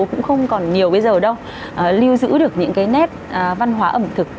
cũng không còn nhiều bây giờ đâu lưu giữ được những cái nét văn hóa ẩm thực